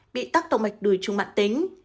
bị tắc động mạch đùi trung mạng tính